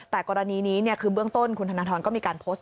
แต่กรณีนี้คือเบื้องต้นคุณธนทรก็มีการโพสต์